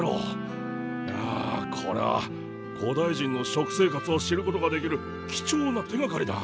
いやこれは古代人の食生活を知ることができる貴重な手がかりだ。